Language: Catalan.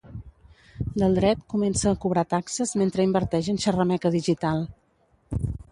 Del dret comença a cobrar taxes mentre inverteix en xerrameca digital.